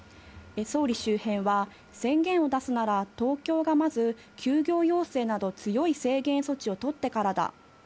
総理周辺は、宣言を出すなら東京がまず休業要請など、強い制限措置を取ってからだ。